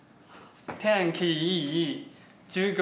「天気いい授業